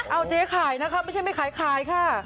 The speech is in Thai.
เอาเจ๊ขายนะคะไม่ใช่ไม่ขายขายค่ะ